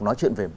nói chuyện về